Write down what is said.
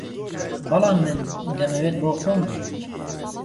بەڵام من دەمەوێت بۆ خۆم بژیم